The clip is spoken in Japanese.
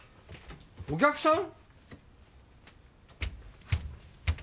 お客さん？